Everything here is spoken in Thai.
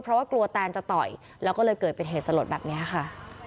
เพราะว่ากลัวแตนจะต่อยแล้วก็เลยเกิดเป็นเหตุสลดแบบนี้ค่ะ